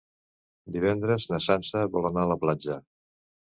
Divendres na Sança vol anar a la platja.